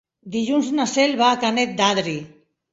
Dilluns na Cel va a Canet d'Adri.